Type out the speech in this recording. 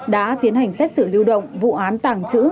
đã tiến hành xét xử lưu động vụ án tàng trữ